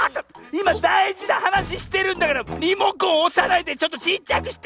いまだいじなはなししてるんだからリモコンおさないでちょっとちっちゃくして！